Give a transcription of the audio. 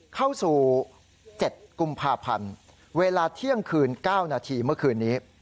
เข้าสู่๗กุมภาพันธ์เวลาเที่ยงคืน๙นาทีเมื่อคืนนี้